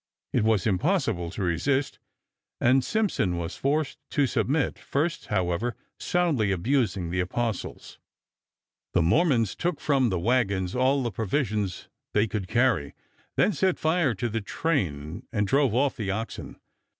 It was impossible to resist, and Simpson was forced to submit, first, however, soundly abusing the apostles. The Mormons took from the wagons all the provisions they could carry, then set fire to the train and drove off the oxen.